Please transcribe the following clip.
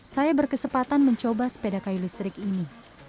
saya berkesempatan mencoba sepeda kayu listrik ini